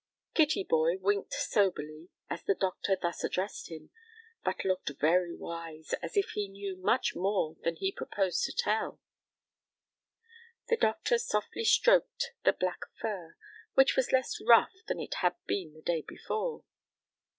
Kittyboy winked soberly, as the doctor thus addressed him, but looked very wise, as if he knew much more than he proposed to tell. The doctor softly stroked the black fur, which was less rough than it had been the day before.